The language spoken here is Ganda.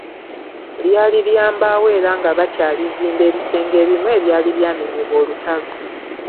Lyali lya mbaawo era nga bakyalizimba ebisenge ebimu ebyali byamenyebwa olutalo.